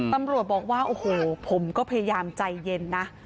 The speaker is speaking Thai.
ตำรวจบอกว่าโอ้โหผมก็พยายามใจเย็นนะ